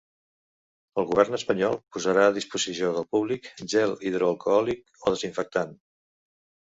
El govern espanyol posarà a disposició del públic gel hidroalcohòlic o desinfectant.